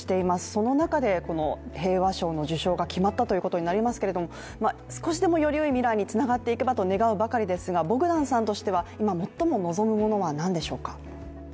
その中で平和賞の受賞が決まったということになりますけれども少しでもよりよい未来につながっていけばと願うばかりですがボグダンさんとしては、今最も望むものは何でしょうか。